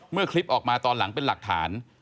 คลิปออกมาตอนหลังเป็นหลักฐาน